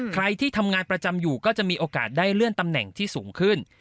ใครที่ทำงานประจำอยู่ก็จะมีโอกาสได้เลื่อนตำแหน่งที่สูงขึ้น